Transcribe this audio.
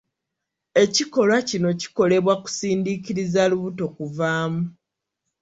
Ekikolwa kino kikolebwa kusindiikiriza lubuto kuvaamu